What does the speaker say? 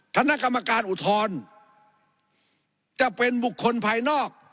คณะกรรมการอุทธรณ์จะเป็นบุคคลภายนอก